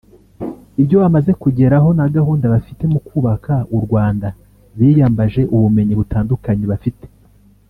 ibyo bamaze kugeraho na gahunda bafite mu kubaka u Rwanda biyambaje ubumenyi butandukanye bafite